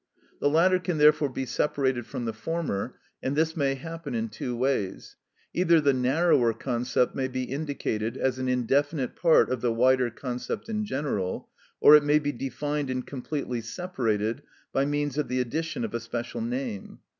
The latter can therefore be separated from the former, and this may happen in two ways,—either the narrower concept may be indicated as an indefinite part of the wider concept in general, or it may be defined and completely separated by means of the addition of a special name.